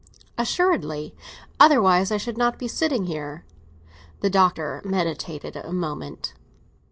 "Assuredly. Otherwise I should not be sitting here." The Doctor meditated a moment.